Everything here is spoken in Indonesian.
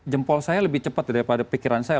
jempol saya lebih cepat daripada pikiran saya